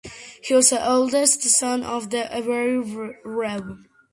He was the eldest son of the Very Rev.